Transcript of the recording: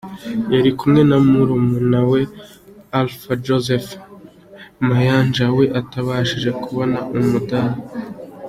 Yari kumwe na murumuna we Alfa Joseph Mayanja we utabashije kubona umudali.